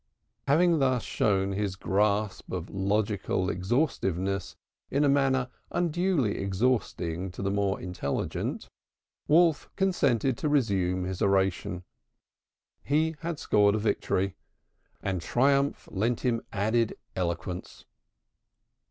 "_ Having thus shown his grasp of logical exhaustiveness in a manner unduly exhausting to the more intelligent, Wolf consented to resume his oration. He had scored a victory, and triumph lent him added eloquence.